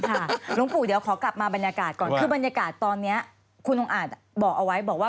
อันนั้นหลวงปู่พูดนะคะดิฉันไม่ว่าแต่ฉันก็ไม่จะถามว่าคือเมื่อภาพมันเหมือนเดิม